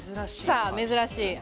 珍しい。